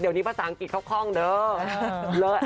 เดี๋ยวนี้ภาษาอังกฤษเขาคล่องเด้อ